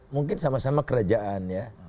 mungkin sama sama kerajaan ya